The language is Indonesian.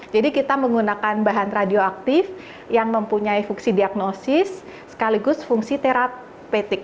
jadi kita menggunakan bahan radioaktif yang mempunyai fungsi diagnosis sekaligus fungsi terapetik